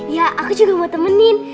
ya aku juga mau temenin